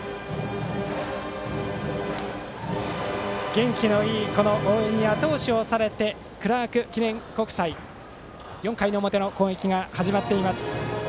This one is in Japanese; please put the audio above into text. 元気のいい応援にあと押しされてクラーク記念国際４回の表の攻撃が始まりました。